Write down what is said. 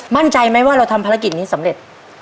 มั่นใจไหมว่าเราทำภารกิจนี้สำเร็จ